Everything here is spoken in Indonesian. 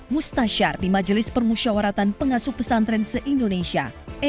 mustasyar di majelis permusyawaratan pengasuh pesantren se indonesia